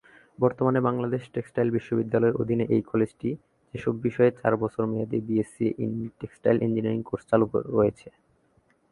বর্তমানে বাংলাদেশ টেক্সটাইল বিশ্ববিদ্যালয়ের অধীনে এই কলেজটিতে যেসব বিষয়ে চার বছর মেয়াদী BSc in textile engineering course চালু রয়েছেঃ-